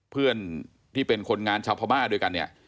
เพื่อนที่เป็นคนงานชาวพม่าด้วยกันเนี่ย